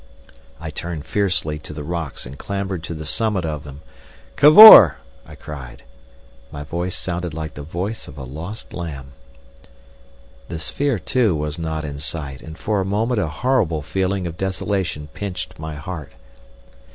I turned fiercely to the rocks and clambered to the summit of them. "Cavor!" I cried. My voice sounded like the voice of a lost lamb. The sphere, too, was not in sight, and for a moment a horrible feeling of desolation pinched my heart.